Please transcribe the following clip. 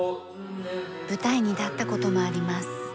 舞台に立った事もあります。